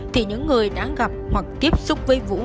thì những người đã gặp hoặc tiếp xúc với vũ